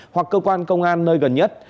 hoặc cơ quan công an nơi gần nhất